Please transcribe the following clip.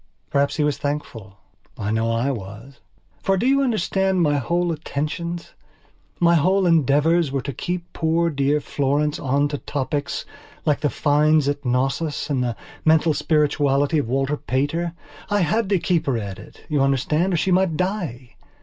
Perhaps he was thankful. I know I was. For do you understand my whole attentions, my whole endeavours were to keep poor dear Florence on to topics like the finds at Cnossos and the mental spirituality of Walter Pater. I had to keep her at it, you understand, or she might die.